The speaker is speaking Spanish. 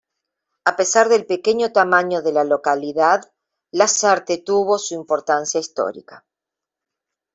A pesar del pequeño tamaño de la localidad, Lasarte tuvo su importancia histórica.